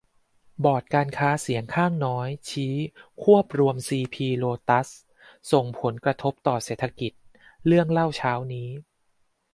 บอร์ดการค้าเสียงข้างน้อย ชี้ควบรวมซีพี-โลตัส ส่งผลกระทบต่อเศรษฐกิจ เรื่องเล่าเช้านี้